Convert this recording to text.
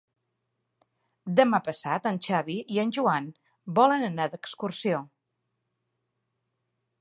Demà passat en Xavi i en Joan volen anar d'excursió.